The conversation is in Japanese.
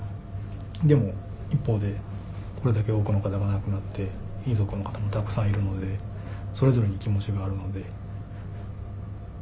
でも一方でこれだけ多くの方が亡くなって遺族の方もたくさんいるのでそれぞれに気持ちがあるので。